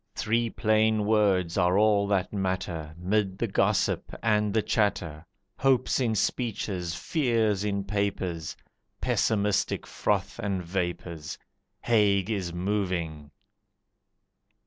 Three plain words are all that matter, Mid the gossip and the chatter, Hopes in speeches, fears in papers, Pessimistic froth and vapours Haig is moving!